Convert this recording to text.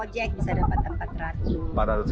jek bisa dapat rp empat ratus